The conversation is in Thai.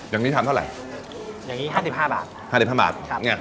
อย่างนี้ทำเท่าไหร่อย่างนี้ห้าสิบห้าบาทห้าสิบห้าบาทครับเนี้ย